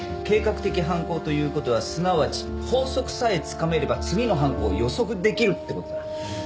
計画的犯行という事はすなわち法則さえつかめれば次の犯行を予測できるって事だ。